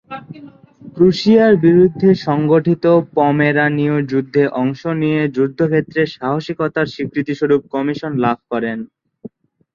প্রুশিয়ার বিরুদ্ধে সংঘটিত পমেরানীয় যুদ্ধে অংশ নিয়ে যুদ্ধক্ষেত্রে সাহসিকতার স্বীকৃতিস্বরূপ কমিশন লাভ করেন।